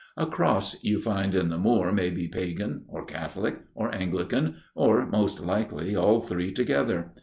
A cross you find in the moor may be pagan, or Catholic, or Anglican, or most likely all three together.